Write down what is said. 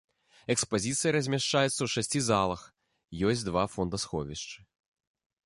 Экспазіцыя размяшчаецца ў шасці залах, ёсць два фондасховішчы.